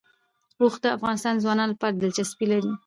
اوښ د افغان ځوانانو لپاره دلچسپي لري.